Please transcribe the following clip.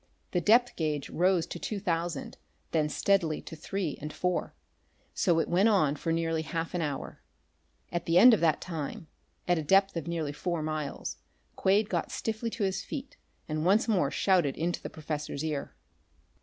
The depth gauge rose to two thousand, then steadily to three and four. So it went on for nearly half an hour. At the end of that time, at a depth of nearly four miles, Quade got stiffly to his feet and once more shouted into the professor's ear.